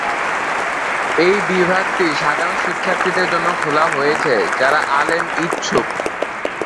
এই বিভাগটি সাধারণ শিক্ষার্থীদের জন্য খোলা হয়েছে যারা আলেম ইচ্ছুক।